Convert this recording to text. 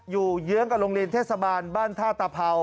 อยู่เยื้องกับโรงเรียนเทศบาลบ้านธาตุภาว